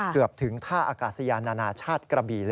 เกือบถึงท่าอากาศยานานาชาติกระบี่